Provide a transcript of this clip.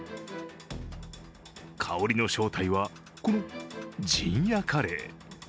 香りの正体は、この陣屋カレー。